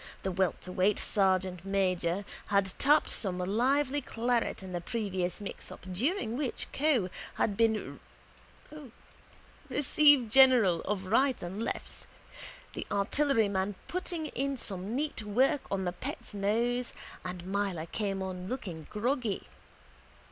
The welterweight sergeantmajor had tapped some lively claret in the previous mixup during which Keogh had been receivergeneral of rights and lefts, the artilleryman putting in some neat work on the pet's nose, and Myler came on looking groggy.